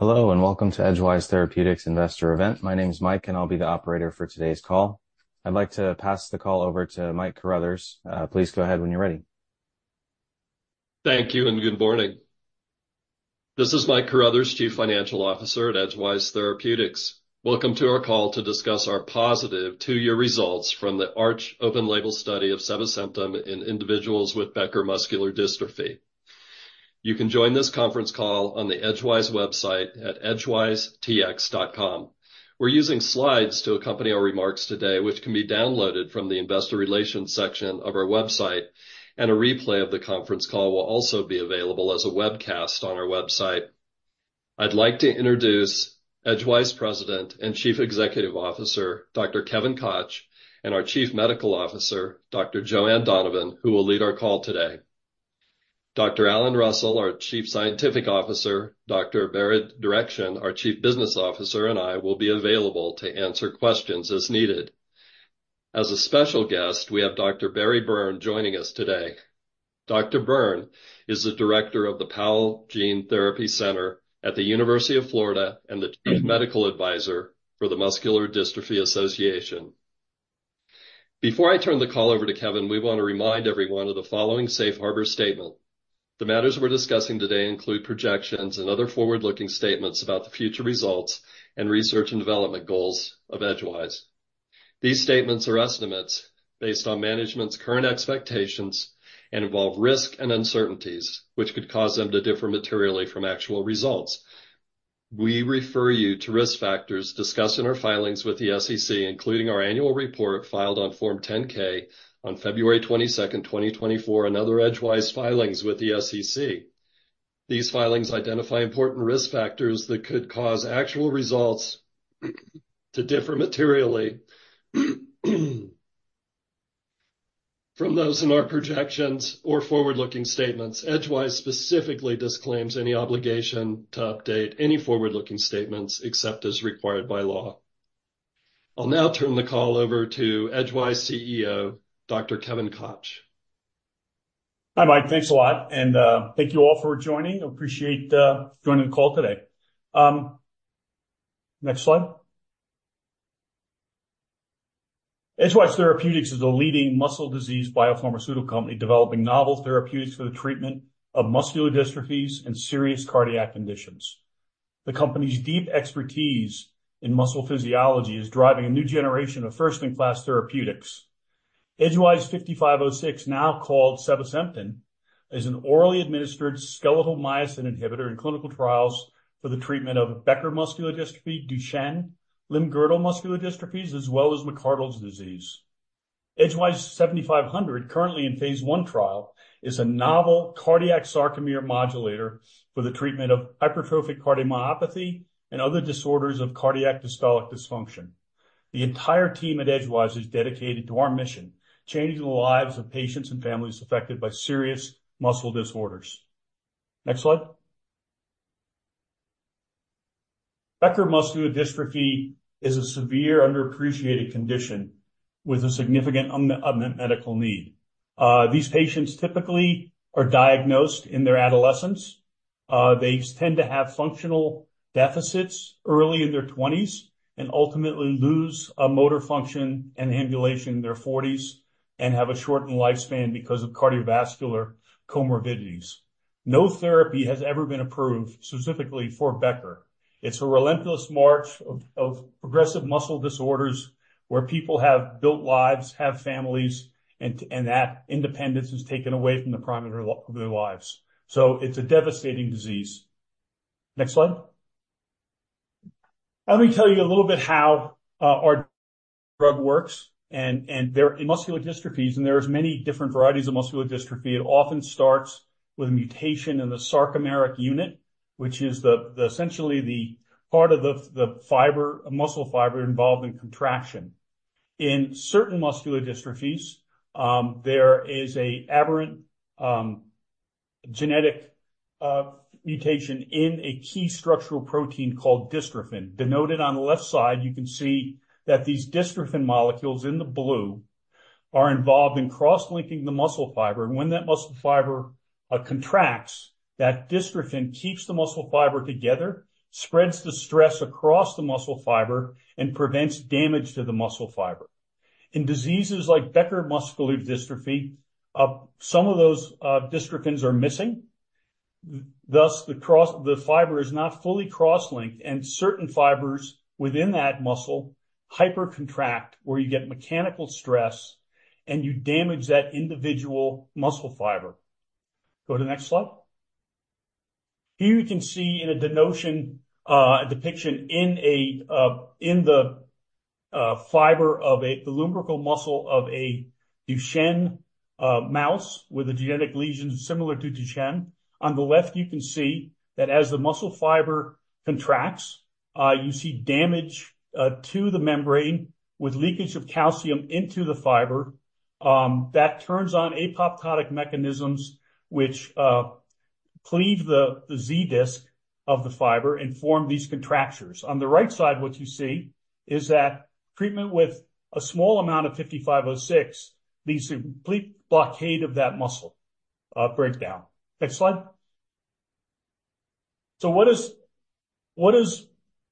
Hello and welcome to Edgewise Therapeutics' investor event. My name is Mike, and I'll be the operator for today's call. I'd like to pass the call over to Mike Carruthers. Please go ahead when you're ready. Thank you and good morning. This is Mike Carruthers, Chief Financial Officer at Edgewise Therapeutics. Welcome to our call to discuss our positive two-year results from the ARCH open-label study of Sevasemten in individuals with Becker muscular dystrophy. You can join this conference call on the Edgewise website at edgewisetx.com. We're using slides to accompany our remarks today, which can be downloaded from the investor relations section of our website, and a replay of the conference call will also be available as a webcast on our website. I'd like to introduce Edgewise President and Chief Executive Officer Dr. Kevin Koch and our Chief Medical Officer Dr. Joanne Donovan, who will lead our call today. Dr. Alan Russell, our Chief Scientific Officer, Dr. Behrad Derakhshan, our Chief Business Officer, and I will be available to answer questions as needed. As a special guest, we have Dr. Barry Byrne joining us today. Dr. Byrne is the Director of the Powell Gene Therapy Center at the University of Florida and the Chief Medical Advisor for the Muscular Dystrophy Association. Before I turn the call over to Kevin, we want to remind everyone of the following Safe Harbor Statement. The matters we're discussing today include projections and other forward-looking statements about the future results and research and development goals of Edgewise. These statements are estimates based on management's current expectations and involve risk and uncertainties, which could cause them to differ materially from actual results. We refer you to risk factors discussed in our filings with the SEC, including our annual report filed on Form 10-K on February 22, 2024, and other Edgewise filings with the SEC. These filings identify important risk factors that could cause actual results to differ materially from those in our projections or forward-looking statements. Edgewise specifically disclaims any obligation to update any forward-looking statements except as required by law. I'll now turn the call over to Edgewise CEO Dr. Kevin Koch. Hi, Mike. Thanks a lot. And thank you all for joining. Appreciate joining the call today. Next slide. Edgewise Therapeutics is a leading muscle disease biopharmaceutical company developing novel therapeutics for the treatment of muscular dystrophies and serious cardiac conditions. The company's deep expertise in muscle physiology is driving a new generation of first-in-class therapeutics. EDG-5506, now called Sevasemten, is an orally administered skeletal myosin inhibitor in clinical trials for the treatment of Becker muscular dystrophy, Duchenne limb-girdle muscular dystrophies, as well as McArdle disease. EDG-7500, currently in phase one trial, is a novel cardiac sarcomere modulator for the treatment of hypertrophic cardiomyopathy and other disorders of cardiac systolic dysfunction. The entire team at Edgewise is dedicated to our mission: changing the lives of patients and families affected by serious muscle disorders. Next slide. Becker muscular dystrophy is a severe, underappreciated condition with a significant medical need. These patients typically are diagnosed in their adolescence. They tend to have functional deficits early in their 20s and ultimately lose motor function and ambulation in their 40s and have a shortened lifespan because of cardiovascular comorbidities. No therapy has ever been approved specifically for Becker. It's a relentless march of progressive muscle disorders where people have built lives, have families, and that independence is taken away from the prime of their lives. So it's a devastating disease. Next slide. Let me tell you a little bit how our drug works, and there are muscular dystrophies, and there are many different varieties of muscular dystrophy. It often starts with a mutation in the sarcomeric unit, which is essentially the part of the muscle fiber involved in contraction. In certain muscular dystrophies, there is an aberrant genetic mutation in a key structural protein called dystrophin. Denoted on the left side, you can see that these dystrophin molecules in the blue are involved in cross-linking the muscle fiber. When that muscle fiber contracts, that dystrophin keeps the muscle fiber together, spreads the stress across the muscle fiber, and prevents damage to the muscle fiber. In diseases like Becker muscular dystrophy, some of those dystrophins are missing. Thus, the fiber is not fully cross-linked, and certain fibers within that muscle hypercontract, where you get mechanical stress, and you damage that individual muscle fiber. Go to the next slide. Here you can see a denotation depiction in the fiber of the lumbrical muscle of a Duchenne mouse with a genetic lesion similar to Duchenne. On the left, you can see that as the muscle fiber contracts, you see damage to the membrane with leakage of calcium into the fiber. That turns on apoptotic mechanisms, which cleave the Z-disc of the fiber and form these contractures. On the right side, what you see is that treatment with a small amount of 5506 leads to complete blockade of that muscle breakdown. Next slide. So what does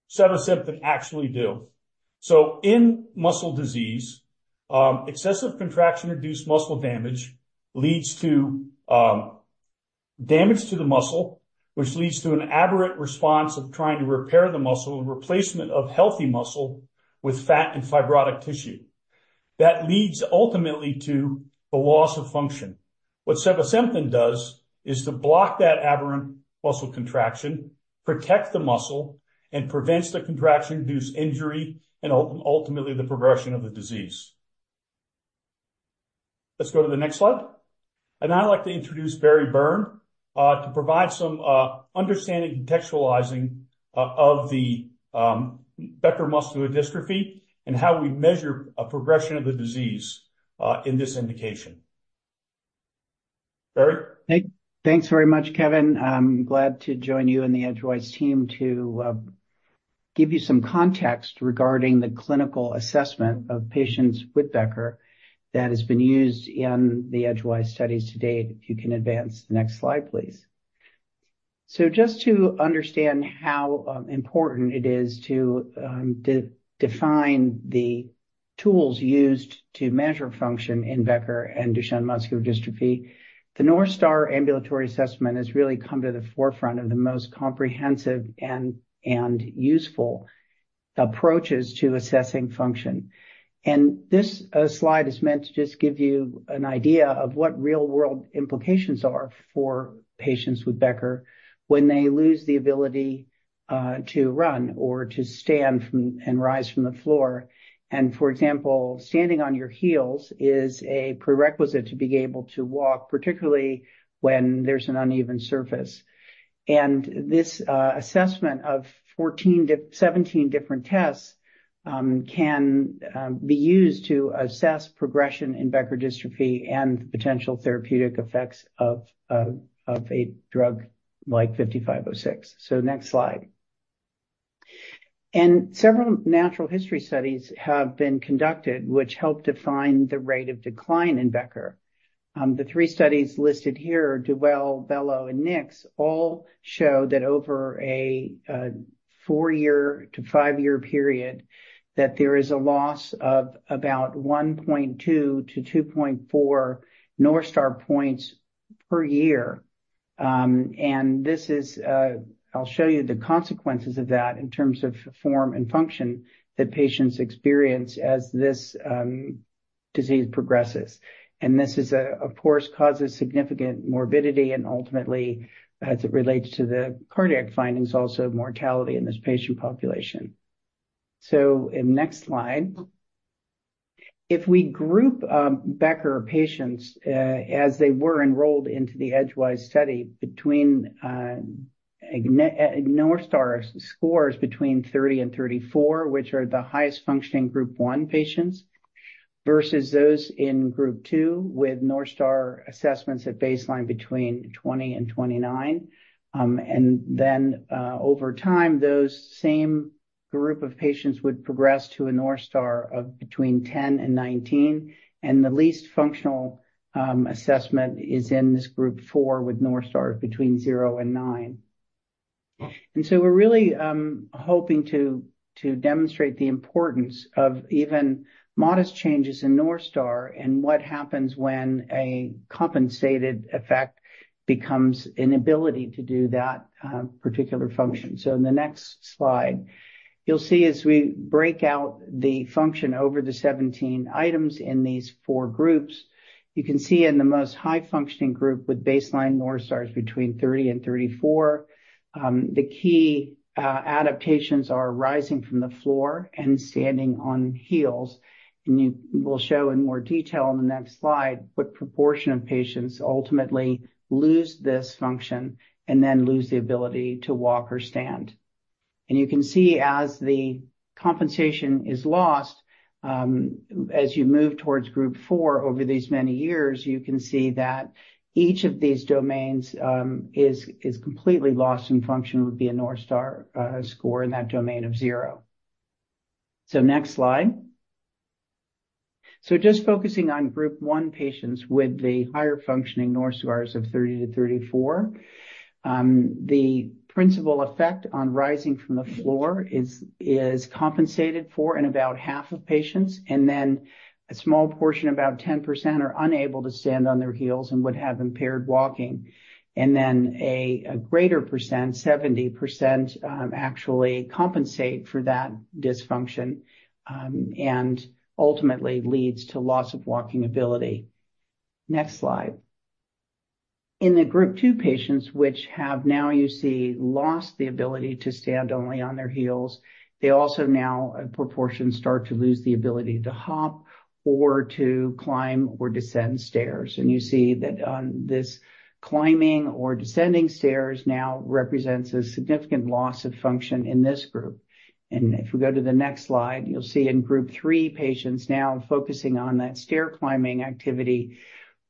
Sevasemten actually do? So in muscle disease, excessive contraction-induced muscle damage leads to damage to the muscle, which leads to an aberrant response of trying to repair the muscle and replacement of healthy muscle with fat and fibrotic tissue. That leads ultimately to the loss of function. What Sevasemten does is to block that aberrant muscle contraction, protect the muscle, and prevents the contraction-induced injury and ultimately the progression of the disease. Let's go to the next slide. And now I'd like to introduce Barry Byrne to provide some understanding and contextualizing of the Becker muscular dystrophy and how we measure a progression of the disease in this indication. Barry. Thanks very much, Kevin. I'm glad to join you and the Edgewise team to give you some context regarding the clinical assessment of patients with Becker that has been used in the Edgewise studies to date. If you can advance the next slide, please. So just to understand how important it is to define the tools used to measure function in Becker and Duchenne muscular dystrophy, the North Star Ambulatory Assessment has really come to the forefront of the most comprehensive and useful approaches to assessing function. And for example, standing on your heels is a prerequisite to be able to walk, particularly when there's an uneven surface. This assessment of 17 different tests can be used to assess progression in Becker dystrophy and potential therapeutic effects of a drug like 5506. Next slide. Several natural history studies have been conducted, which help define the rate of decline in Becker. The three studies listed here, De Wel, Bello, and Niks, all show that over a four-year to five-year period, there is a loss of about 1.2-2.4 North Star points per year. I'll show you the consequences of that in terms of form and function that patients experience as this disease progresses. This, of course, causes significant morbidity and ultimately, as it relates to the cardiac findings, also mortality in this patient population. Next slide. If we group Becker patients as they were enrolled into the Edgewise study between North Star scores between 30 and 34, which are the highest functioning Group 1 patients, versus those in Group 2 with North Star assessments at baseline between 20 and 29, and then over time, those same group of patients would progress to a North Star of between 10 and 19, and the least functional assessment is in this Group 4 with North Stars between 0 and 9, and so we're really hoping to demonstrate the importance of even modest changes in North Star and what happens when a compensated effect becomes an ability to do that particular function. So, in the next slide, you'll see as we break out the function over the 17 items in these four groups. You can see in the most high-functioning group with baseline North Star between 30 and 34, the key adaptations are rising from the floor and standing on heels. And we'll show in more detail on the next slide what proportion of patients ultimately lose this function and then lose the ability to walk or stand. And you can see as the compensation is lost, as you move towards Group 4 over these many years, you can see that each of these domains is completely lost in function with the North Star score in that domain of 0. So next slide. Just focusing on Group 1 patients with the higher functioning North Stars of 30 to 34, the principal effect on rising from the floor is compensated for in about half of patients. And then a small portion, about 10%, are unable to stand on their heels and would have impaired walking. And then a greater percent, 70%, actually compensate for that dysfunction and ultimately leads to loss of walking ability. Next slide. In the Group 2 patients, which have now, you see, lost the ability to stand only on their heels, they also now, a proportion, start to lose the ability to hop or to climb or descend stairs. And you see that this climbing or descending stairs now represents a significant loss of function in this group. And if we go to the next slide, you'll see in Group 3 patients now focusing on that stair climbing activity.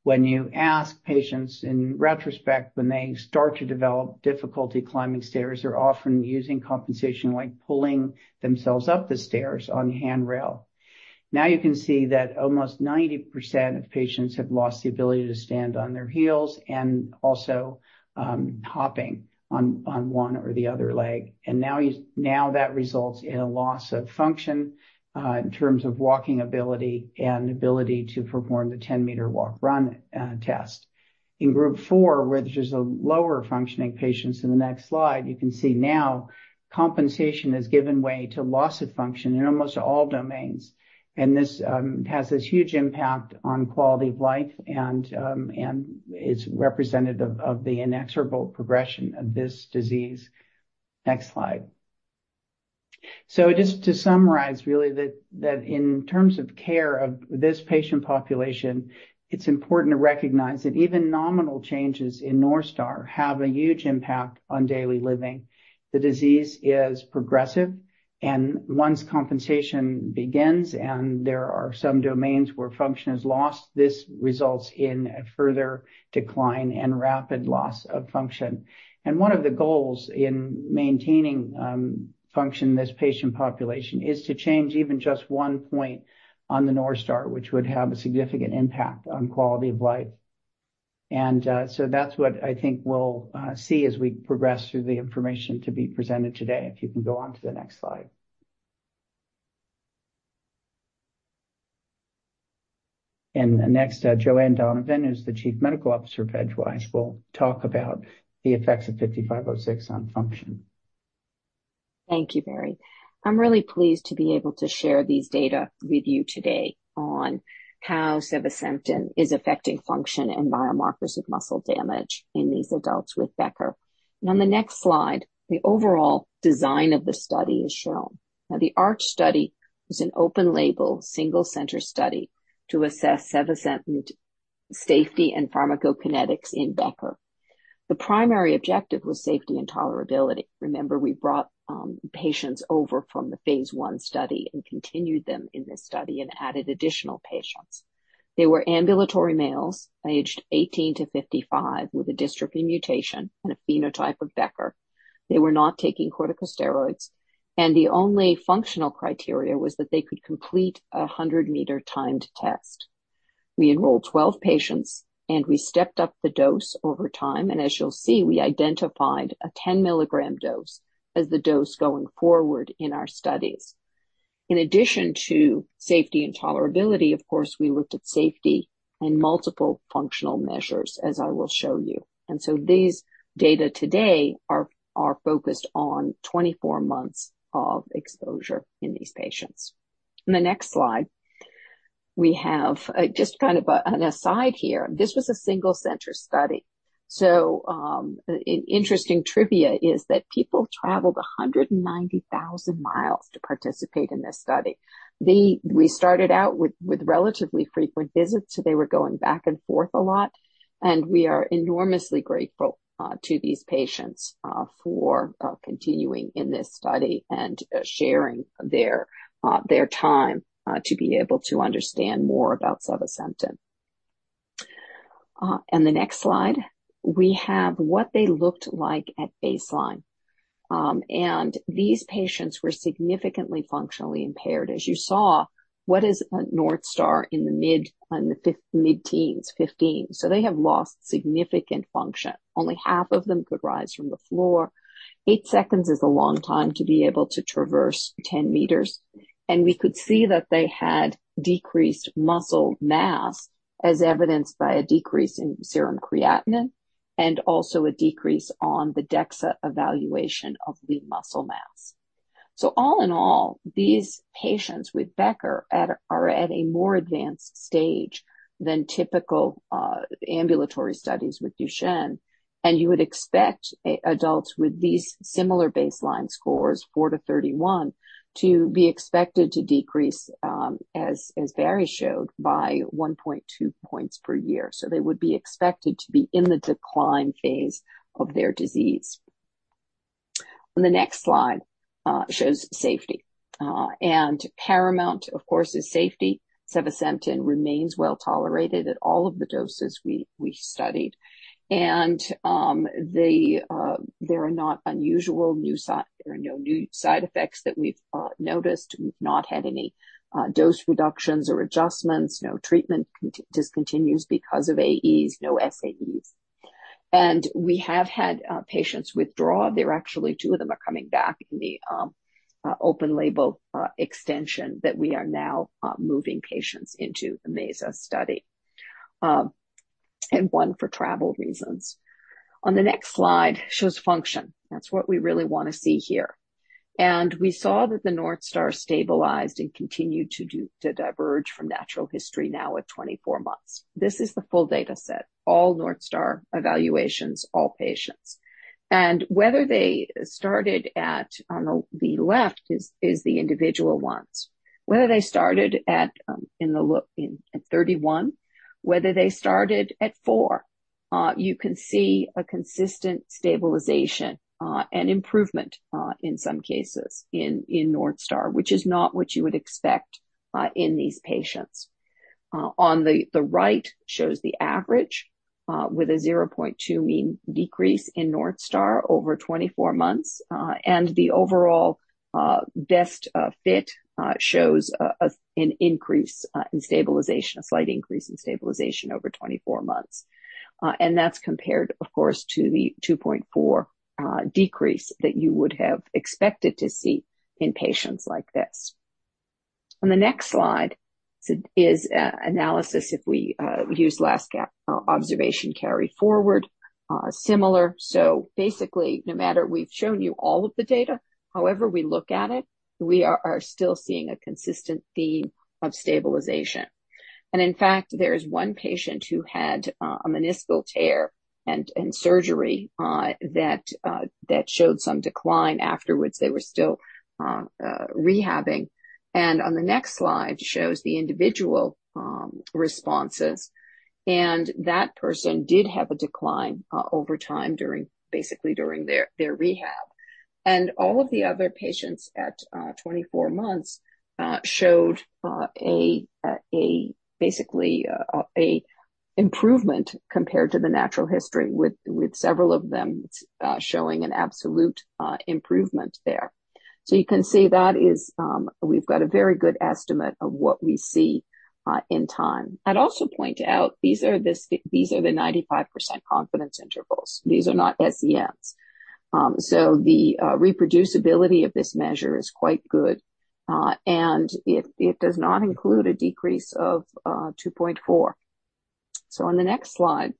When you ask patients in retrospect, when they start to develop difficulty climbing stairs, they're often using compensation like pulling themselves up the stairs on the handrail. Now you can see that almost 90% of patients have lost the ability to stand on their heels and also hopping on one or the other leg, and now that results in a loss of function in terms of walking ability and ability to perform the 10m walk-run test. In Group 4, where there's a lower functioning patients in the next slide, you can see now compensation has given way to loss of function in almost all domains, and this has a huge impact on quality of life and is representative of the inexorable progression of this disease. Next slide. So just to summarize, really, that in terms of care of this patient population, it's important to recognize that even nominal changes in North Star have a huge impact on daily living. The disease is progressive, and once compensation begins and there are some domains where function is lost, this results in a further decline and rapid loss of function, and one of the goals in maintaining function in this patient population is to change even just one point on the North Star, which would have a significant impact on quality of life. And so that's what I think we'll see as we progress through the information to be presented today. If you can go on to the next slide, and next, Joanne Donovan, who's the Chief Medical Officer of Edgewise, will talk about the effects of 5506 on function. Thank you, Barry. I'm really pleased to be able to share these data with you today on how Sevasemten is affecting function and biomarkers of muscle damage in these adults with Becker. And on the next slide, the overall design of the study is shown. Now, the ARCH study was an open-label single-center study to assess Sevasemten safety and pharmacokinetics in Becker. The primary objective was safety and tolerability. Remember, we brought patients over from the phase I study and continued them in this study and added additional patients. They were ambulatory males aged 18 to 55 with a dystrophy mutation and a phenotype of Becker. They were not taking corticosteroids. And the only functional criteria was that they could complete a 100m timed test. We enrolled 12 patients, and we stepped up the dose over time. As you'll see, we identified a 10mg dose as the dose going forward in our studies. In addition to safety and tolerability, of course, we looked at safety and multiple functional measures, as I will show you. These data today are focused on 24 months of exposure in these patients. On the next slide, we have just kind of an aside here. This was a single-center study. So an interesting trivia is that people traveled 190,000 mi to participate in this study. We started out with relatively frequent visits, so they were going back and forth a lot. We are enormously grateful to these patients for continuing in this study and sharing their time to be able to understand more about Sevasemten. On the next slide, we have what they looked like at baseline. These patients were significantly functionally impaired. As you saw, what is a North Star in the mid-teens, 15, so they have lost significant function. Only half of them could rise from the floor. Eight seconds is a long time to be able to traverse 10 m, and we could see that they had decreased muscle mass, as evidenced by a decrease in serum creatinine and also a decrease on the DEXA evaluation of the muscle mass. So all in all, these patients with Becker are at a more advanced stage than typical ambulatory studies with Duchenne, and you would expect adults with these similar baseline scores, 4-31, to be expected to decrease, as Barry showed, by 1.2 points per year, so they would be expected to be in the decline phase of their disease. On the next slide shows safety, and paramount, of course, is safety. Sevasemten remains well tolerated at all of the doses we studied. There are no unusual side effects that we've noticed. We've not had any dose reductions or adjustments. No treatment discontinuations because of AEs, no SAEs. We have had patients withdraw. Actually, two of them are coming back in the open-label extension that we are now moving patients into the ARCH study. One for travel reasons. The next slide shows function. That's what we really want to see here. We saw that the North Star stabilized and continued to diverge from natural history now at 24 months. This is the full data set, all North Star evaluations, all patients. Whether they started at, on the left, is the individual ones. Whether they started at 31, whether they started at 4, you can see a consistent stabilization and improvement in some cases in North Star, which is not what you would expect in these patients. On the right shows the average with a 0.2 mean decrease in North Star over 24 months, and the overall best fit shows an increase in stabilization, a slight increase in stabilization over 24 months. And that's compared, of course, to the 2.4 decrease that you would have expected to see in patients like this. On the next slide is analysis if we use last observation carry forward, similar. So basically, no matter we've shown you all of the data, however we look at it, we are still seeing a consistent theme of stabilization, and in fact, there is one patient who had a meniscal tear and surgery that showed some decline afterwards. They were still rehabbing, and on the next slide shows the individual responses, and that person did have a decline over time, basically during their rehab, and all of the other patients at 24 months showed basically an improvement compared to the natural history, with several of them showing an absolute improvement there, so you can see that we've got a very good estimate of what we see in time. I'd also point out these are the 95% confidence intervals. These are not SEMs, so the reproducibility of this measure is quite good, and it does not include a decrease of 2.4, so on the next slide,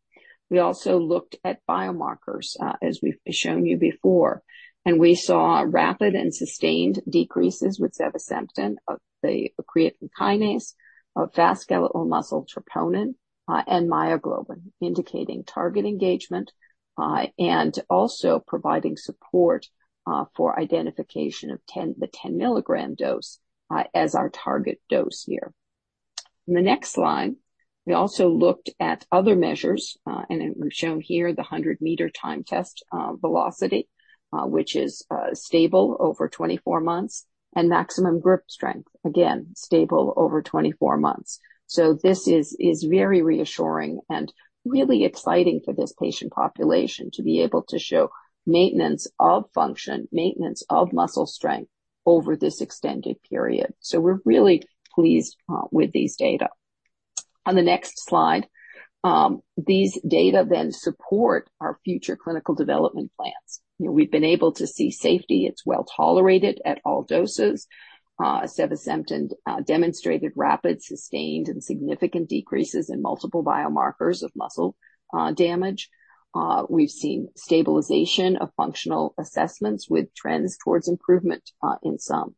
we also looked at biomarkers, as we've shown you before. We saw rapid and sustained decreases with Sevasemten, the creatine kinase, fast skeletal muscle troponin, and myoglobin, indicating target engagement and also providing support for identification of the 10mg dose as our target dose here. On the next slide, we also looked at other measures. We've shown here the 100m timed test velocity, which is stable over 24 months, and maximum grip strength, again, stable over 24 months. This is very reassuring and really exciting for this patient population to be able to show maintenance of function, maintenance of muscle strength over this extended period. We're really pleased with these data. On the next slide, these data then support our future clinical development plans. We've been able to see safety. It's well tolerated at all doses. Sevasemten demonstrated rapid, sustained, and significant decreases in multiple biomarkers of muscle damage. We've seen stabilization of functional assessments with trends towards improvement in some.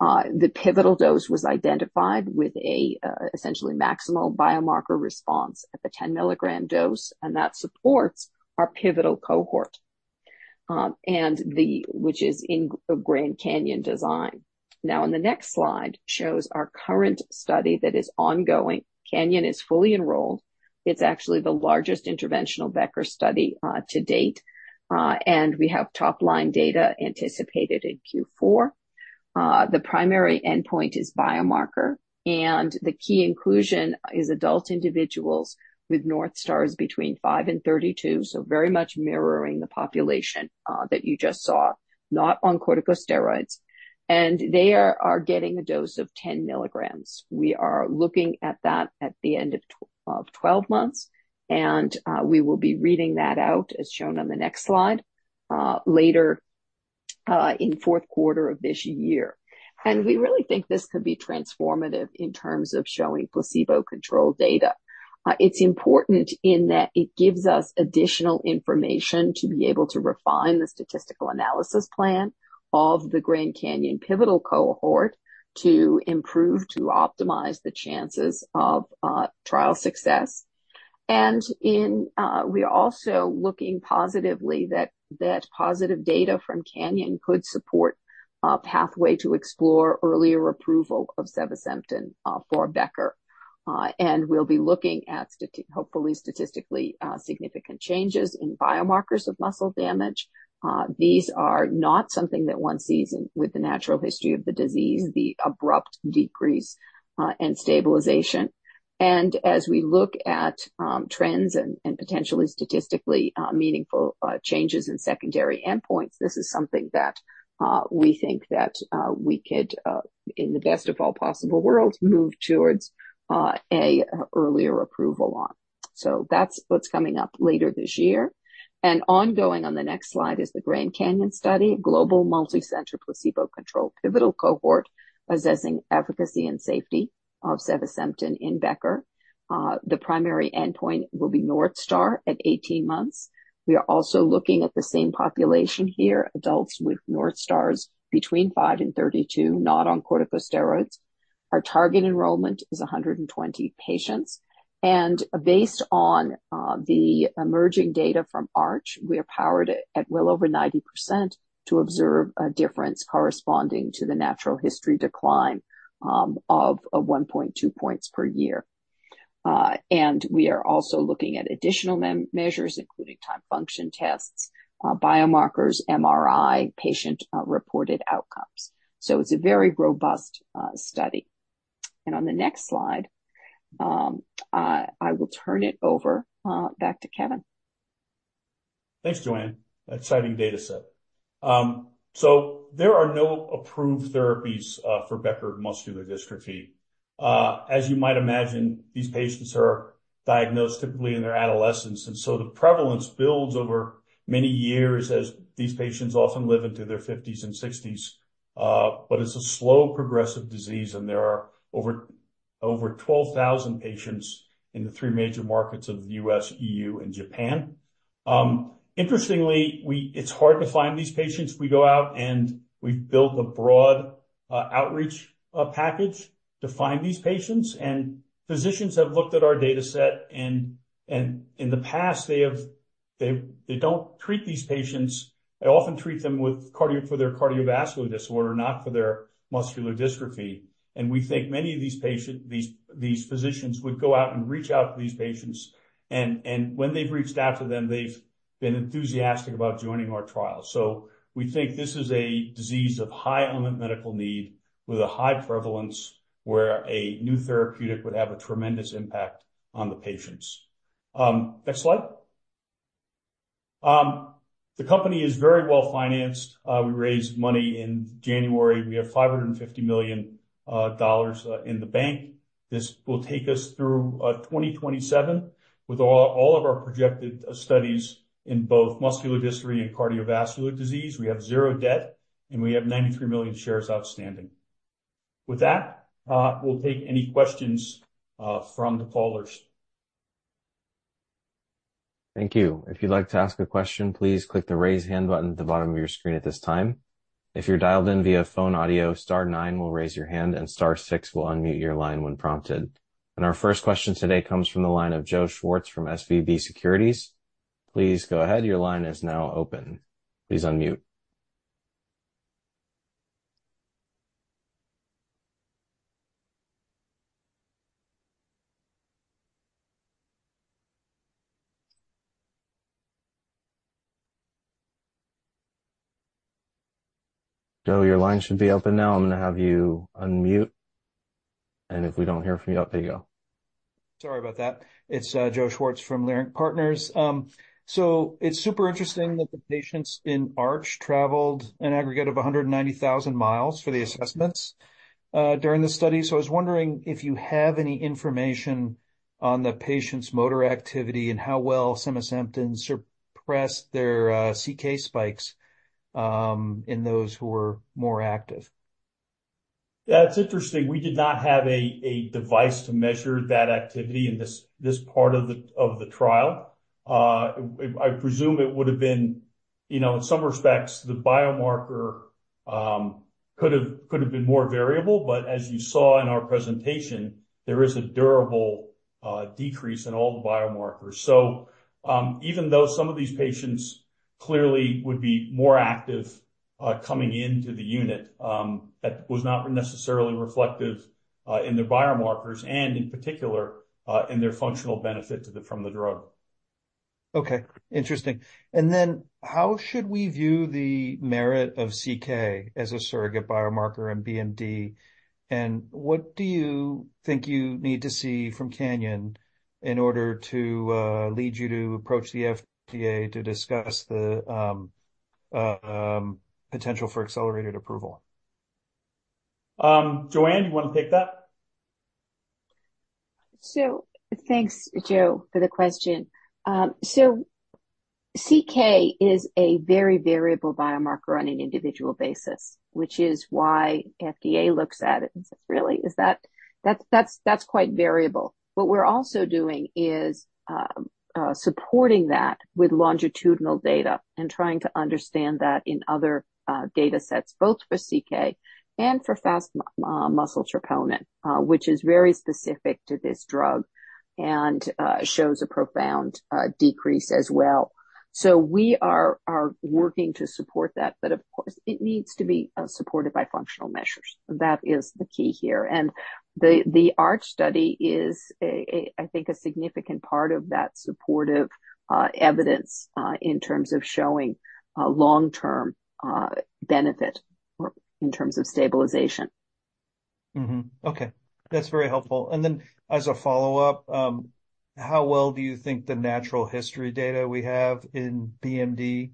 The pivotal dose was identified with an essentially maximal biomarker response at the 10mg dose. And that supports our pivotal cohort, which is in GRAND CANYON design. Now, on the next slide shows our current study that is ongoing. CANYON is fully enrolled. It's actually the largest interventional Becker study to date. And we have top-line data anticipated in Q4. The primary endpoint is biomarker. And the key inclusion is adult individuals with North Stars between five and 32, so very much mirroring the population that you just saw, not on corticosteroids. And they are getting a dose of 10 mg. We are looking at that at the end of 12 months. And we will be reading that out, as shown on the next slide, later in the fourth quarter of this year. We really think this could be transformative in terms of showing placebo-controlled data. It's important in that it gives us additional information to be able to refine the statistical analysis plan of the GRAND CANYON pivotal cohort to improve, to optimize the chances of trial success. We're also looking positively that positive data from CANYON could support a pathway to explore earlier approval of Sevasemten for Becker. We'll be looking at hopefully statistically significant changes in biomarkers of muscle damage. These are not something that one sees with the natural history of the disease, the abrupt decrease and stabilization. As we look at trends and potentially statistically meaningful changes in secondary endpoints, this is something that we think that we could, in the best of all possible worlds, move towards an earlier approval on. That's what's coming up later this year. Ongoing on the next slide is the GRAND CANYON study, global multi-center placebo-controlled pivotal cohort assessing efficacy and safety of Sevasemten in Becker. The primary endpoint will be North Star at 18 months. We are also looking at the same population here, adults with North Stars between five and 32, not on corticosteroids. Our target enrollment is 120 patients. Based on the emerging data from ARCH, we are powered at well over 90% to observe a difference corresponding to the natural history decline of 1.2 points per year. We are also looking at additional measures, including time function tests, biomarkers, MRI, patient-reported outcomes. It's a very robust study. On the next slide, I will turn it over back to Kevin. Thanks, Joanne. Exciting data set. So there are no approved therapies for Becker muscular dystrophy. As you might imagine, these patients are diagnosed typically in their adolescence. And so the prevalence builds over many years as these patients often live into their 50s and 60s. But it's a slow progressive disease. And there are over 12,000 patients in the three major markets of the US, EU, and Japan. Interestingly, it's hard to find these patients. We go out and we've built a broad outreach package to find these patients. And physicians have looked at our data set. And in the past, they don't treat these patients. They often treat them for their cardiovascular disorder, not for their muscular dystrophy. And we think many of these patients, these physicians, would go out and reach out to these patients. When they've reached out to them, they've been enthusiastic about joining our trial. We think this is a disease of high unmet medical need with a high prevalence where a new therapeutic would have a tremendous impact on the patients. Next slide. The company is very well financed. We raised money in January. We have $550 million in the bank. This will take us through 2027 with all of our projected studies in both muscular dystrophy and cardiovascular disease. We have zero debt. We have 93 million shares outstanding. With that, we'll take any questions from the callers. Thank you. If you'd like to ask a question, please click the raise hand button at the bottom of your screen at this time. If you're dialed in via phone audio, star nine will raise your hand, and star six will unmute your line when prompted. Our first question today comes from the line of Joe Schwartz from SVB Securities. Please go ahead. Your line is now open. Please unmute. Joe, your line should be open now. I'm going to have you unmute. And if we don't hear from you, there you go. Sorry about that. It's Joe Schwartz from Leerink Partners. So it's super interesting that the patients in ARCH traveled an aggregate of 190,000 mi for the assessments during the study. So I was wondering if you have any information on the patients' motor activity and how well Sevasemten suppressed their CK spikes in those who were more active. That's interesting. We did not have a device to measure that activity in this part of the trial. I presume it would have been, in some respects, the biomarker could have been more variable. But as you saw in our presentation, there is a durable decrease in all the biomarkers. So even though some of these patients clearly would be more active coming into the unit, that was not necessarily reflective in their biomarkers and, in particular, in their functional benefit from the drug. Okay. Interesting. And then how should we view the merit of CK as a surrogate biomarker and BMD? And what do you think you need to see from CANYON in order to lead you to approach the FDA to discuss the potential for accelerated approval? Joanne, you want to take that? So thanks, Joe, for the question. So CK is a very variable biomarker on an individual basis, which is why the FDA looks at it and says, "Really? That's quite variable." What we're also doing is supporting that with longitudinal data and trying to understand that in other data sets, both for CK and for fast muscle troponin, which is very specific to this drug and shows a profound decrease as well. So we are working to support that. But of course, it needs to be supported by functional measures. That is the key here. And the ARCH study is, I think, a significant part of that supportive evidence in terms of showing long-term benefit in terms of stabilization. Okay. That's very helpful. And then as a follow-up, how well do you think the natural history data we have in BMD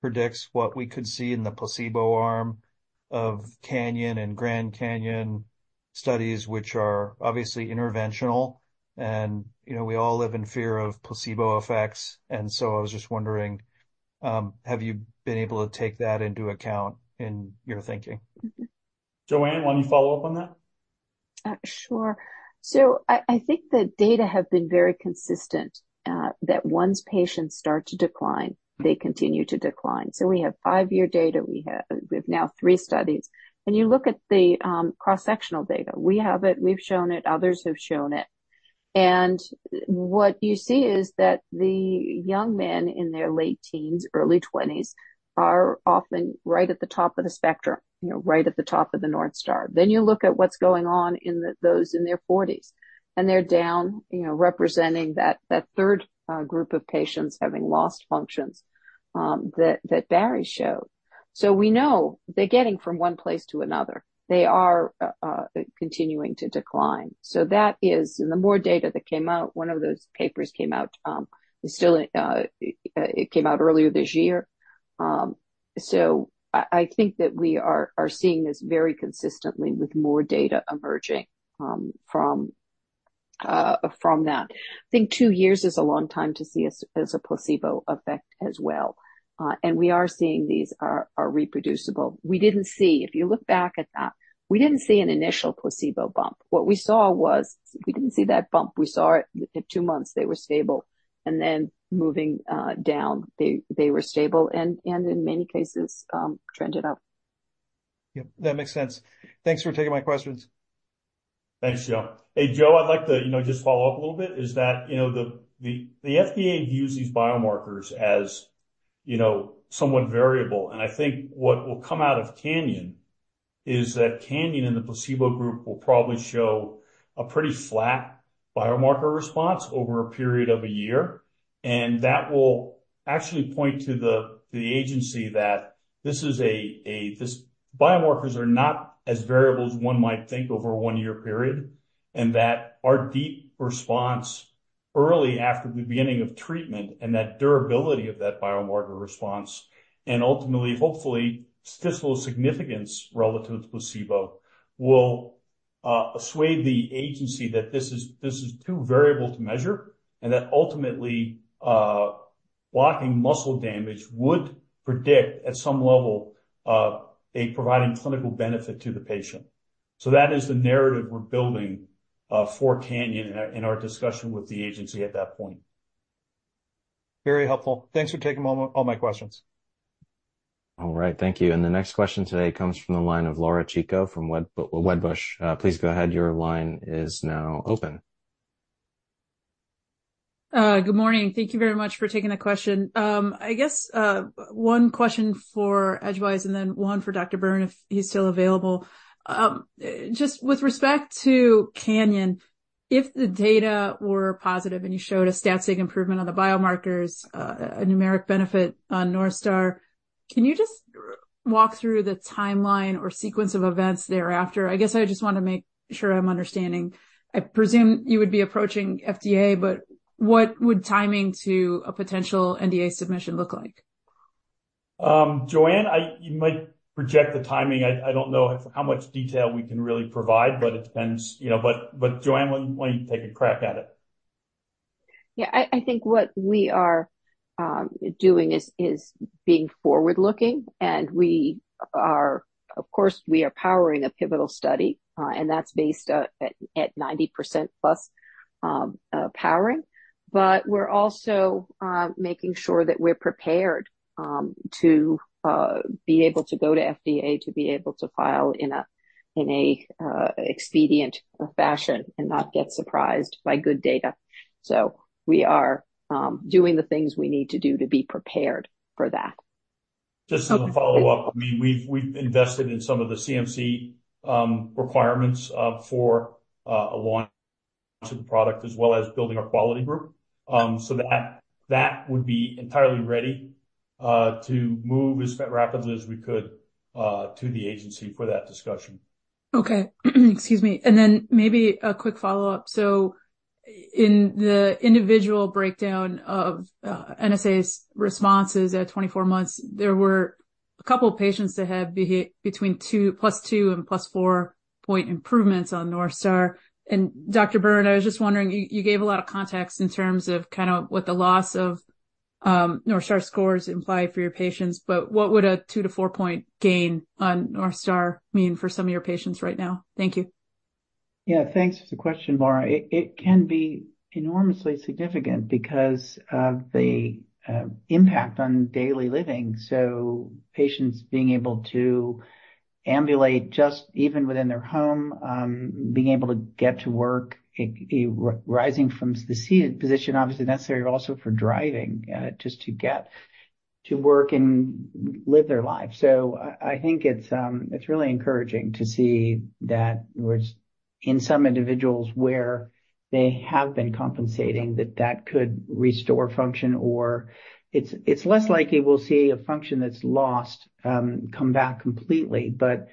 predicts what we could see in the placebo arm of CANYON and GRAND CANYON studies, which are obviously interventional? And we all live in fear of placebo effects. And so I was just wondering, have you been able to take that into account in your thinking? Joanne, why don't you follow up on that? Sure. So I think the data have been very consistent that once patients start to decline, they continue to decline. We have five-year data. We have now three studies. You look at the cross-sectional data. We have it. We've shown it. Others have shown it. What you see is that the young men in their late teens, early 20s, are often right at the top of the spectrum, right at the top of the North Star. Then you look at what's going on in those in their 40s. They're down, representing that third group of patients having lost functions that Barry showed. We know they're getting from one place to another. They are continuing to decline. That is in the more data that came out. One of those papers came out. It came out earlier this year. So I think that we are seeing this very consistently with more data emerging from that. I think two years is a long time to see as a placebo effect as well. And we are seeing these are reproducible. We didn't see, if you look back at that, we didn't see an initial placebo bump. What we saw was we didn't see that bump. We saw it at two months. They were stable. And then moving down, they were stable. And in many cases, trended up. Yep. That makes sense. Thanks for taking my questions. Thanks, Joe. Hey, Joe, I'd like to just follow up a little bit: is that the FDA views these biomarkers as somewhat variable. And I think what will come out of CANYON is that CANYON and the placebo group will probably show a pretty flat biomarker response over a period of a year. And that will actually point to the agency that this biomarkers are not as variable as one might think over a one-year period. And that our deep response early after the beginning of treatment and that durability of that biomarker response and ultimately, hopefully, statistical significance relative to placebo will assuage the agency that this is too variable to measure and that ultimately blocking muscle damage would predict at some level a providing clinical benefit to the patient. So that is the narrative we're building for CANYON in our discussion with the agency at that point. Very helpful. Thanks for taking all my questions. All right. Thank you. And the next question today comes from the line of Laura Chico from Wedbush. Please go ahead. Your line is now open. Good morning. Thank you very much for taking the question. I guess one question for Edgewise and then one for Dr. Byrne, if he's still available. Just with respect to Canyon, if the data were positive and you showed a stat-sig improvement on the biomarkers, a numeric benefit on North Star, can you just walk through the timeline or sequence of events thereafter? I guess I just want to make sure I'm understanding. I presume you would be approaching FDA, but what would timing to a potential NDA submission look like? Joanne, you might project the timing. I don't know how much detail we can really provide, but it depends. But Joanne, why don't you take a crack at it? Yeah. I think what we are doing is being forward-looking. And of course, we are powering a pivotal study. And that's based at 90% plus powering. But we're also making sure that we're prepared to be able to go to FDA to be able to file in an expedient fashion and not get surprised by good data. So we are doing the things we need to do to be prepared for that. Just to follow up, I mean, we've invested in some of the CMC requirements for a launch of the product as well as building our quality group. So that would be entirely ready to move as rapidly as we could to the agency for that discussion. Okay. Excuse me. Then maybe a quick follow-up. In the individual breakdown of NSAA's responses at 24 months, there were a couple of patients that had between plus two and plus four point improvements on North Star. Dr. Byrne, I was just wondering. You gave a lot of context in terms of kind of what the loss of North Star scores imply for your patients. But what would a two to four point gain on North Star mean for some of your patients right now? Thank you. Yeah. Thanks for the question, Laura. It can be enormously significant because of the impact on daily living, so patients being able to ambulate just even within their home, being able to get to work, rising from the seated position, obviously necessary also for driving just to get to work and live their life, so I think it's really encouraging to see that in some individuals where they have been compensating that that could restore function or it's less likely we'll see a function that's lost come back completely, but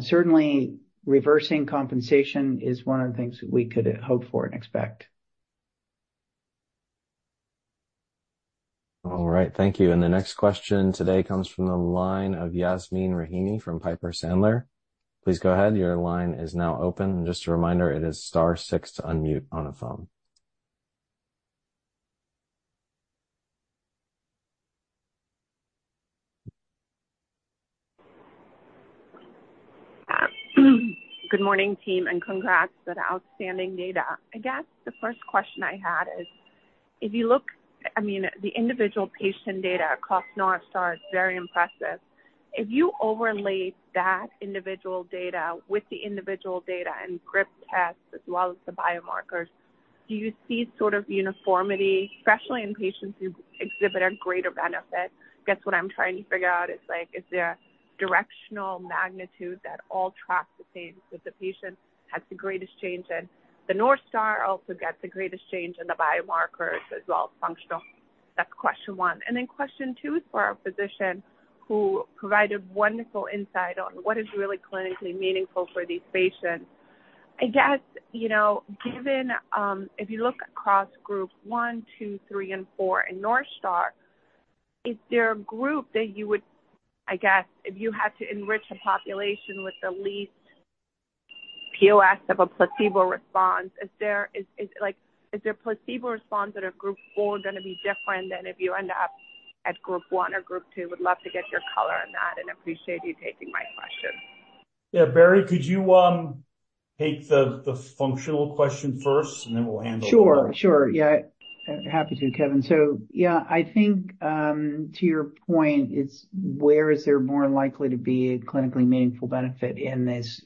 certainly, reversing compensation is one of the things that we could hope for and expect. All right. Thank you. And the next question today comes from the line of Yasmeen Rahimi from Piper Sandler. Please go ahead. Your line is now open. And just a reminder, it is star 6 to unmute on a phone. Good morning, team, and congrats for the outstanding data. I guess the first question I had is, if you look, I mean, the individual patient data across North Star is very impressive. If you overlay that individual data with the individual data and grip tests as well as the biomarkers, do you see sort of uniformity, especially in patients who exhibit a greater benefit? Guess what I'm trying to figure out is like is there a directional magnitude that all tracks the same with the patient has the greatest change in the North Star also gets the greatest change in the biomarkers as well as functional? That's question one, and then question two is for our physician who provided wonderful insight on what is really clinically meaningful for these patients. I guess, given if you look across group one, two, three, and four in North Star, is there a group that you would, I guess, if you had to enrich a population with the least POS of a placebo response, is there a placebo response that a group four is going to be different than if you end up at group one or group two? Would love to get your color on that and appreciate you taking my question. Yeah. Barry, could you take the functional question first, and then we'll handle it? Sure. Sure. Yeah. Happy to, Kevin, so yeah, I think to your point, it's where is there more likely to be a clinically meaningful benefit in these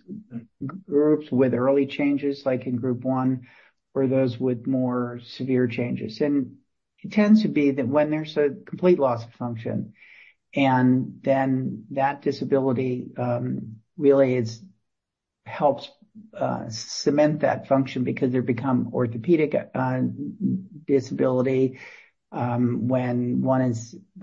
groups with early changes like in group one or those with more severe changes, and it tends to be that when there's a complete loss of function, and then that disability really helps cement that function because there becomes orthopedic disability when one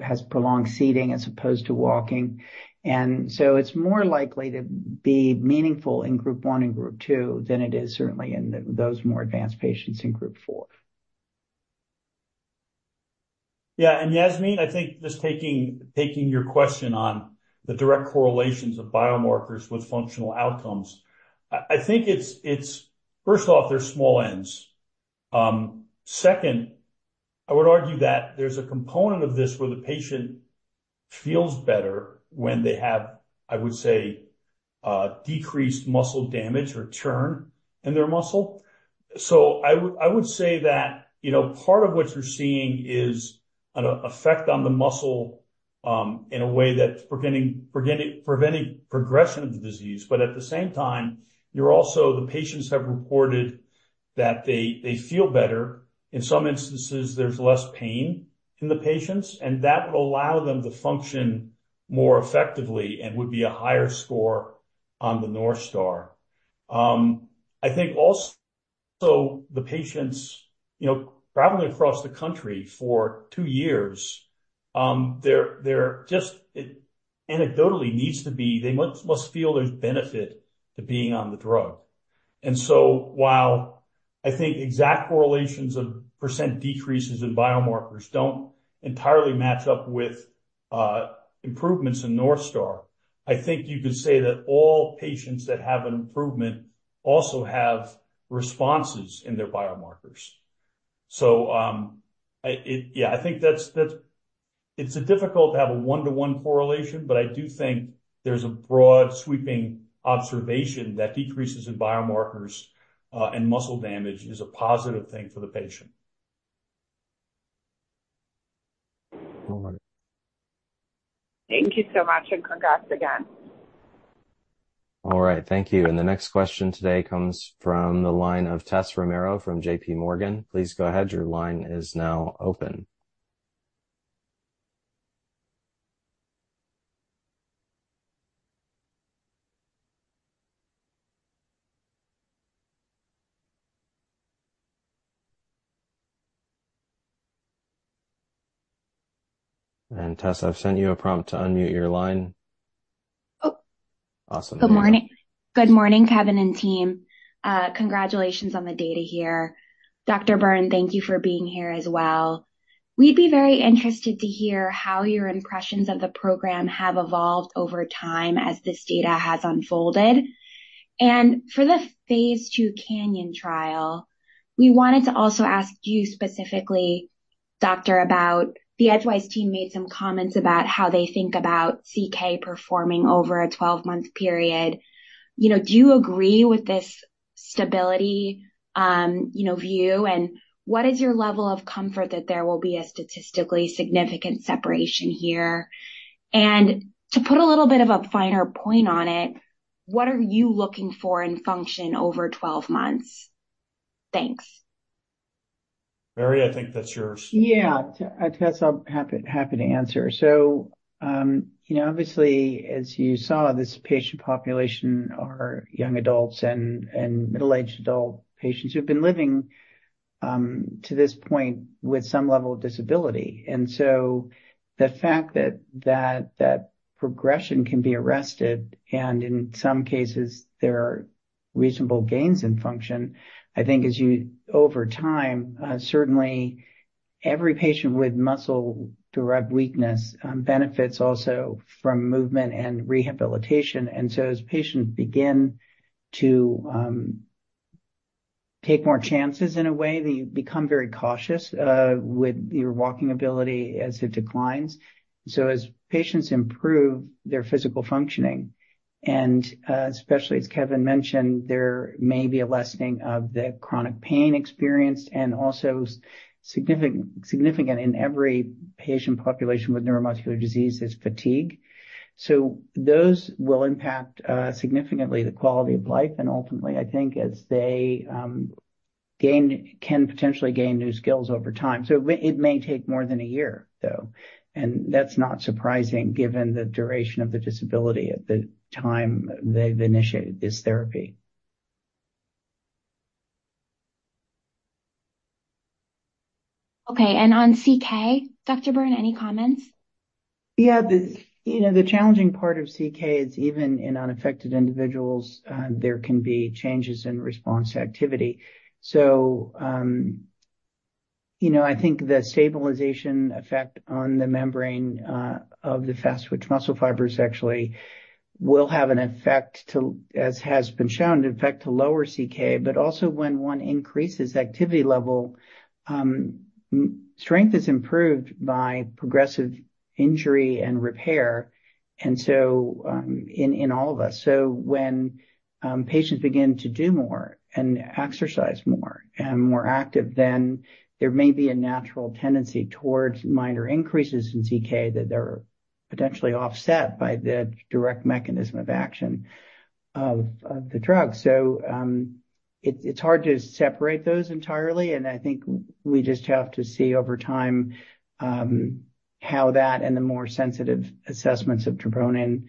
has prolonged seating as opposed to walking, and so it's more likely to be meaningful in group one and group two than it is certainly in those more advanced patients in group four. Yeah. And Yasmeen, I think just taking your question on the direct correlations of biomarkers with functional outcomes, I think it's first off, there's small n's. Second, I would argue that there's a component of this where the patient feels better when they have, I would say, decreased muscle damage or turnover in their muscle. So I would say that part of what you're seeing is an effect on the muscle in a way that's preventing progression of the disease. But at the same time, you're also, the patients have reported that they feel better. In some instances, there's less pain in the patients. And that would allow them to function more effectively and would be a higher score on the North Star. I think also the patients traveling across the country for two years. They're just anecdotally needs to be they must feel there's benefit to being on the drug. And so while I think exact correlations of percent decreases in biomarkers don't entirely match up with improvements in North Star, I think you could say that all patients that have an improvement also have responses in their biomarkers. So yeah, I think it's difficult to have a one-to-one correlation, but I do think there's a broad sweeping observation that decreases in biomarkers and muscle damage is a positive thing for the patient. All right. Thank you so much, and congrats again. All right. Thank you. And the next question today comes from the line of Tess Romero from JPMorgan. Please go ahead. Your line is now open. And Tess, I've sent you a prompt to unmute your line. Oh. Awesome. Good morning. Good morning, Kevin and team. Congratulations on the data here. Dr. Byrne, thank you for being here as well. We'd be very interested to hear how your impressions of the program have evolved over time as this data has unfolded, and for the phase two CANYON trial, we wanted to also ask you specifically, Doctor, about the Edgewise team made some comments about how they think about CK performing over a 12-month period. Do you agree with this stability view, and what is your level of comfort that there will be a statistically significant separation here, and to put a little bit of a finer point on it, what are you looking for in function over 12 months? Thanks. Barry, I think that's yours. Yeah. Tess, I'm happy to answer. So obviously, as you saw, this patient population are young adults and middle-aged adult patients who've been living to this point with some level of disability. And so the fact that that progression can be arrested and in some cases, there are reasonable gains in function. I think as you over time, certainly every patient with muscle-derived weakness benefits also from movement and rehabilitation. And so as patients begin to take more chances in a way, they become very cautious with your walking ability as it declines. So as patients improve their physical functioning, and especially as Kevin mentioned, there may be a lessening of the chronic pain experienced and also significant in every patient population with neuromuscular disease is fatigue. So those will impact significantly the quality of life. And ultimately, I think as they can potentially gain new skills over time. It may take more than a year, though. That's not surprising given the duration of the disability at the time they've initiated this therapy. Okay. And on CK, Dr. Byrne, any comments? Yeah. The challenging part of CK is even in unaffected individuals, there can be changes in response activity. So I think the stabilization effect on the membrane of the fast-twitch muscle fibers actually will have an effect to, as has been shown, an effect to lower CK. But also when one increases activity level, strength is improved by progressive injury and repair. And so in all of us, so when patients begin to do more and exercise more and more active, then there may be a natural tendency towards minor increases in CK that are potentially offset by the direct mechanism of action of the drug. So it's hard to separate those entirely. And I think we just have to see over time how that and the more sensitive assessments of troponin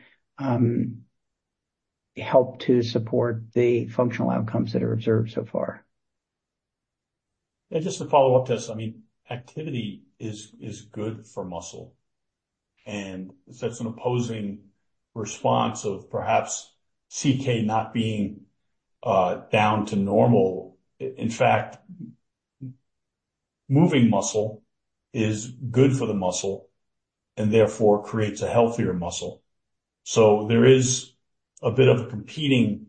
help to support the functional outcomes that are observed so far. Just to follow up, Tess, I mean, activity is good for muscle. It's an opposing response of perhaps CK not being down to normal. In fact, moving muscle is good for the muscle and therefore creates a healthier muscle. There is a bit of a competing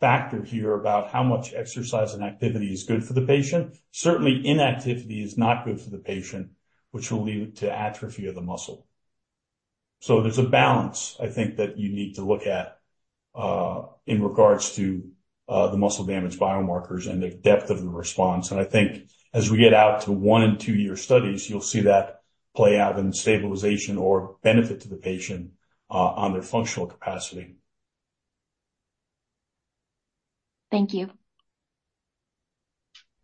factor here about how much exercise and activity is good for the patient. Certainly, inactivity is not good for the patient, which will lead to atrophy of the muscle. There's a balance, I think, that you need to look at in regards to the muscle damage biomarkers and the depth of the response. I think as we get out to one- and two-year studies, you'll see that play out in stabilization or benefit to the patient on their functional capacity. Thank you.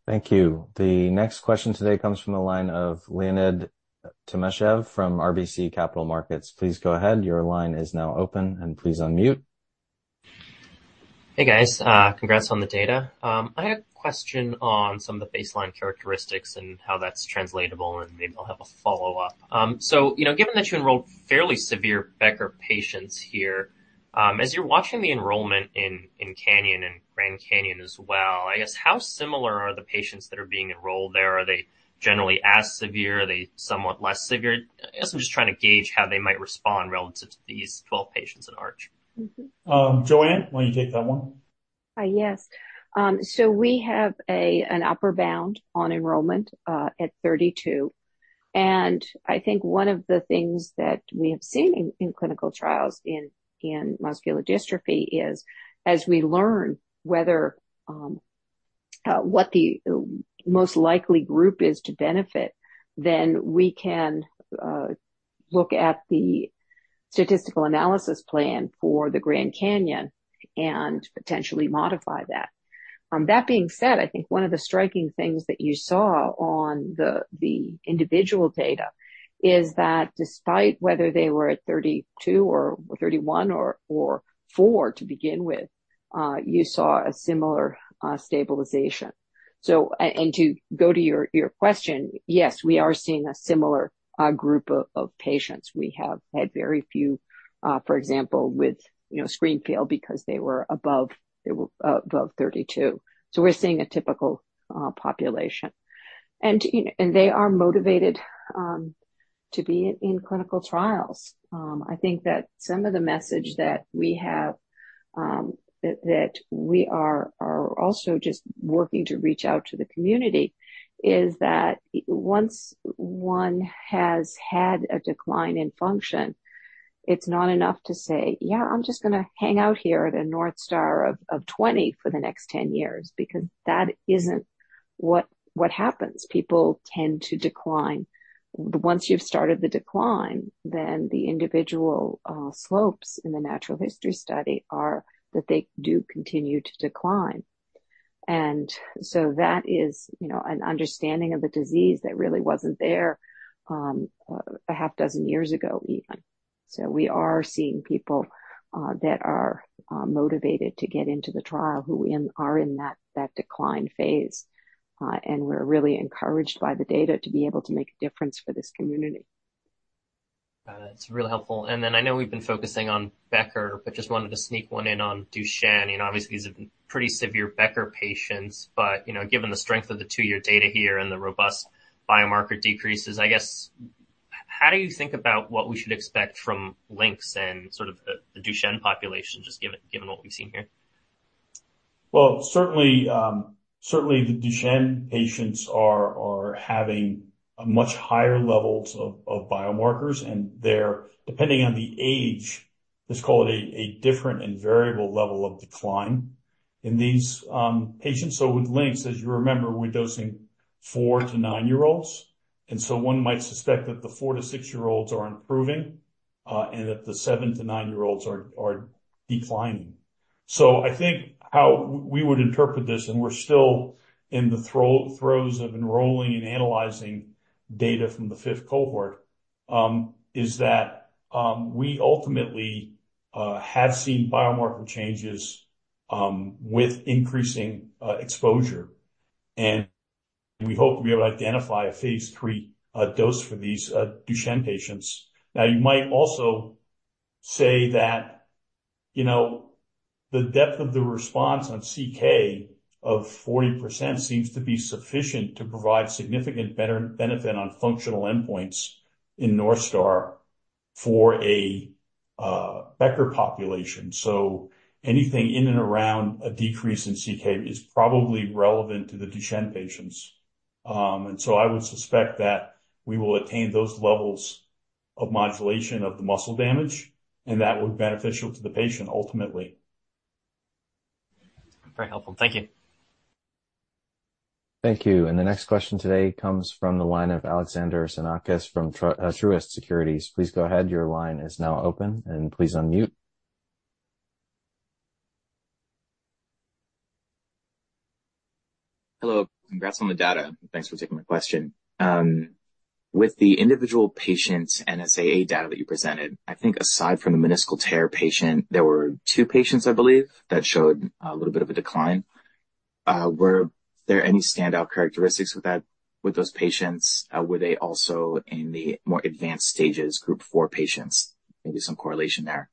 Thank you. The next question today comes from the line of Leonid Timashev from RBC Capital Markets. Please go ahead. Your line is now open, and please unmute. Hey, guys. Congrats on the data. I had a question on some of the baseline characteristics and how that's translatable, and maybe I'll have a follow-up. So given that you enrolled fairly severe Becker patients here, as you're watching the enrollment in CANYON and GRAND CANYON as well, I guess how similar are the patients that are being enrolled there? Are they generally as severe? Are they somewhat less severe? I guess I'm just trying to gauge how they might respond relative to these 12 patients in ARCH. Joanne, why don't you take that one? Yes, so we have an upper bound on enrollment at 32, and I think one of the things that we have seen in clinical trials in muscular dystrophy is as we learn what the most likely group is to benefit, then we can look at the statistical analysis plan for the GRAND CANYON and potentially modify that. That being said, I think one of the striking things that you saw on the individual data is that despite whether they were at 32 or 31 or four to begin with, you saw a similar stabilization, and to go to your question, yes, we are seeing a similar group of patients. We have had very few, for example, with screen fail because they were above 32, so we're seeing a typical population, and they are motivated to be in clinical trials. I think that some of the message that we have that we are also just working to reach out to the community is that once one has had a decline in function, it's not enough to say, "Yeah, I'm just going to hang out here at a North Star of 20 for the next 10 years," because that isn't what happens. People tend to decline. Once you've started the decline, then the individual slopes in the natural history study are that they do continue to decline. And so that is an understanding of the disease that really wasn't there a half dozen years ago even. So we are seeing people that are motivated to get into the trial who are in that decline phase. And we're really encouraged by the data to be able to make a difference for this community. Got it. That's really helpful. And then I know we've been focusing on Becker, but just wanted to sneak one in on Duchenne. Obviously, these have been pretty severe Becker patients. But given the strength of the two-year data here and the robust biomarker decreases, I guess, how do you think about what we should expect from LYNX and sort of the Duchenne population, just given what we've seen here? Well, certainly the Duchenne patients are having much higher levels of biomarkers. And depending on the age, let's call it a different and variable level of decline in these patients. So with LYNX, as you remember, we're dosing four- to nine-year-olds. And so one might suspect that the four- to six-year-olds are improving and that the seven- to nine-year-olds are declining. So I think how we would interpret this, and we're still in the throes of enrolling and analyzing data from the fifth cohort, is that we ultimately have seen biomarker changes with increasing exposure. And we hope we'll be able to identify a phase three dose for these Duchenne patients. Now, you might also say that the depth of the response on CK of 40% seems to be sufficient to provide significant benefit on functional endpoints in North Star for a Becker population. Anything in and around a decrease in CK is probably relevant to the Duchenne patients. I would suspect that we will attain those levels of modulation of the muscle damage, and that would be beneficial to the patient ultimately. Very helpful. Thank you. Thank you. And the next question today comes from the line of Alexander Xenakis from Truist Securities. Please go ahead. Your line is now open. And please unmute. Hello. Congrats on the data. Thanks for taking my question. With the individual patients and NSAA data that you presented, I think aside from the meniscal tear patient, there were two patients, I believe, that showed a little bit of a decline. Were there any standout characteristics with those patients? Were they also in the more advanced stages, group four patients? Maybe some correlation there.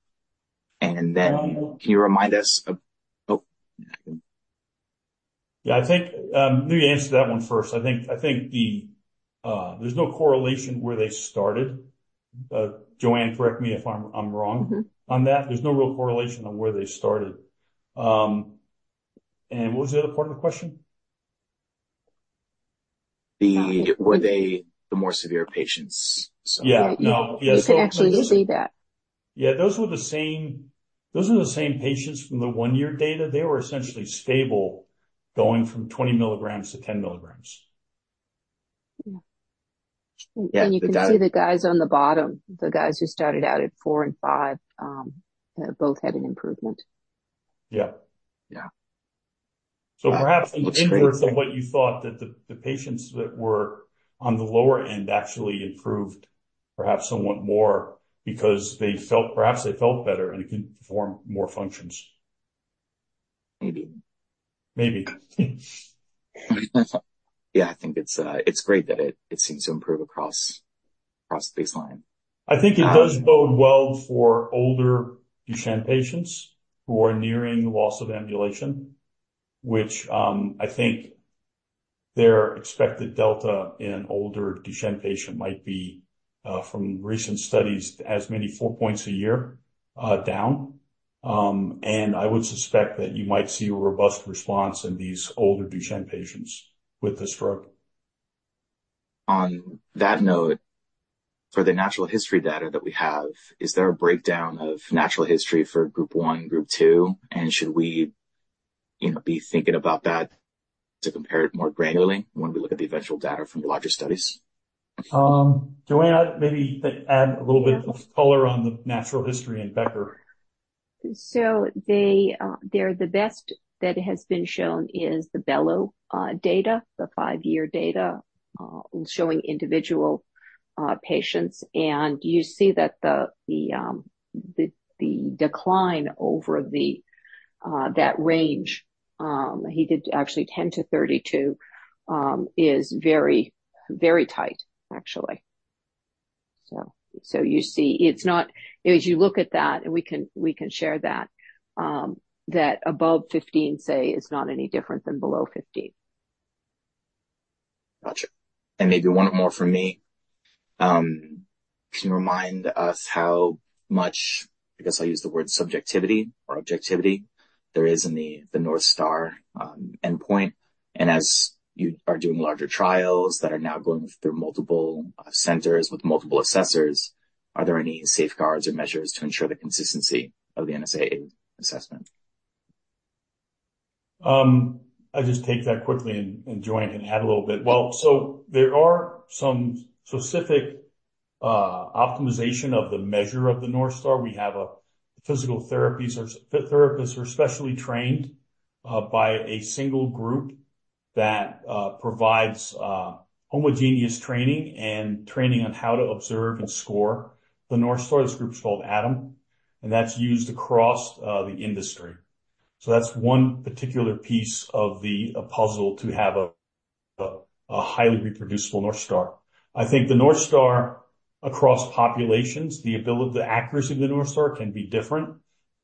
And then can you remind us of. Oh. Yeah. I think maybe answer that one first. I think there's no correlation where they started. Joanne, correct me if I'm wrong on that. There's no real correlation on where they started. And what was the other part of the question? Were they the more severe patients? Yeah. No. You can actually see that. Yeah. Those were the same patients from the one-year data. They were essentially stable going from 20 mg to 10 mg. Yeah, and you can see the guys on the bottom, the guys who started out at four and five, both had an improvement. Yeah. Yeah. So perhaps in light of what you thought that the patients that were on the lower end actually improved perhaps somewhat more because they felt better and could perform more functions. Maybe. Maybe. Yeah. I think it's great that it seems to improve across baseline. I think it does bode well for older Duchenne patients who are nearing loss of ambulation, which I think their expected delta in an older Duchenne patient might be from recent studies as many as four points a year down. I would suspect that you might see a robust response in these older Duchenne patients with the drug. On that note, for the natural history data that we have, is there a breakdown of natural history for group one, group two? And should we be thinking about that to compare it more granularly when we look at the eventual data from the larger studies? Joanne, maybe add a little bit of color on the natural history in Becker. So the best that has been shown is the Becker data, the five-year data showing individual patients. And you see that the decline over that range, he did actually 10 to 32, is very, very tight, actually. So you see it's not, as you look at that, and we can share that, that above 15, say, is not any different than below 15. Gotcha. And maybe one more from me. Can you remind us how much, I guess I'll use the word subjectivity or objectivity, there is in the North Star endpoint? And as you are doing larger trials that are now going through multiple centers with multiple assessors, are there any safeguards or measures to ensure the consistency of the NSAA assessment? I'll just take that quickly and join and add a little bit. There are some specific optimization of the measure of the North Star. We have physical therapists who are specially trained by a single group that provides homogeneous training and training on how to observe and score the North Star. This group is called ATOM. That's used across the industry. That's one particular piece of the puzzle to have a highly reproducible North Star. I think, the North Star across populations, the accuracy of the North Star can be different.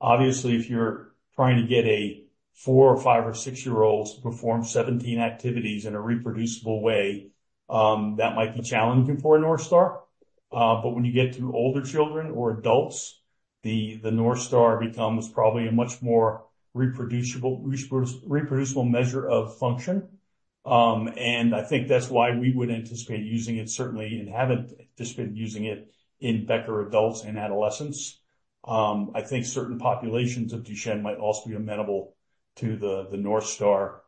Obviously, if you're trying to get a four or five or six-year-old to perform 17 activities in a reproducible way, that might be challenging for a North Star. But when you get to older children or adults, the North Star becomes probably a much more reproducible measure of function. And I think that's why we would anticipate using it certainly and have anticipated using it in Becker adults and adolescents. I think certain populations of Duchenne might also be amenable to the North Star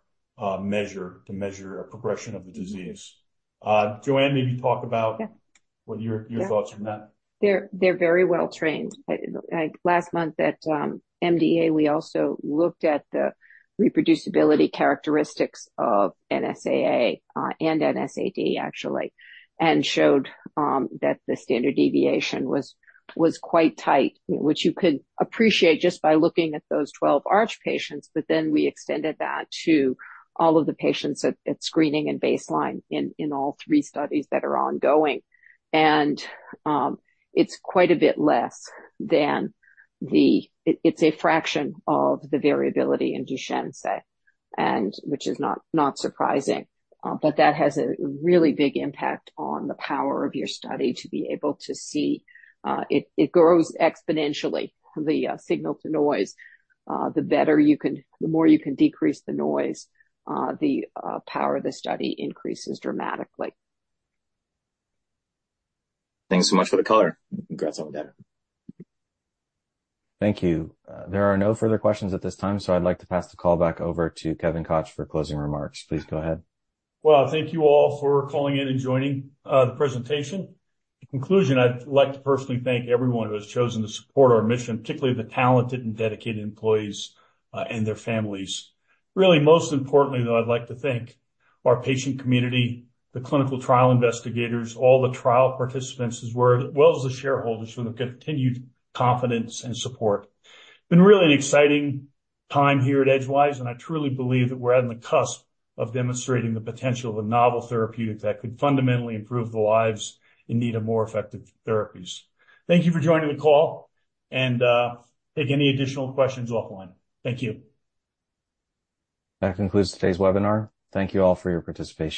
measure to measure a progression of the disease. Joanne, maybe talk about what your thoughts are on that. They're very well trained. Last month at MDA, we also looked at the reproducibility characteristics of NSAA and NSAD, actually, and showed that the standard deviation was quite tight, which you could appreciate just by looking at those 12 ARCH patients, but then we extended that to all of the patients at screening and baseline in all three studies that are ongoing, and it's quite a bit less than the. It's a fraction of the variability in Duchenne's, which is not surprising. But that has a really big impact on the power of your study to be able to see. It grows exponentially. The signal-to-noise, the more you can decrease the noise, the power of the study increases dramatically. Thanks so much for the color. Congrats on the data. Thank you. There are no further questions at this time, so I'd like to pass the call back over to Kevin Koch for closing remarks. Please go ahead. Thank you all for calling in and joining the presentation. In conclusion, I'd like to personally thank everyone who has chosen to support our mission, particularly the talented and dedicated employees and their families. Really, most importantly, though, I'd like to thank our patient community, the clinical trial investigators, all the trial participants, as well as the shareholders for their continued confidence and support. It's been really an exciting time here at Edgewise, and I truly believe that we're at the cusp of demonstrating the potential of a novel therapeutic that could fundamentally improve the lives in need of more effective therapies. Thank you for joining the call. Take any additional questions offline. Thank you. That concludes today's webinar. Thank you all for your participation.